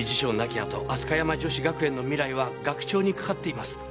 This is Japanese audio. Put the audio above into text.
あと飛鳥山女子学園の未来は学長にかかっています。